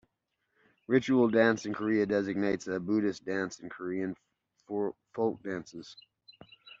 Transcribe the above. Ritual dance in Korea designates a Buddhist dance and Korean folk dances.